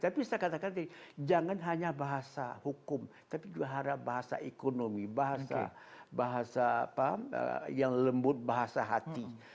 tapi saya katakan tadi jangan hanya bahasa hukum tapi juga harap bahasa ekonomi bahasa yang lembut bahasa hati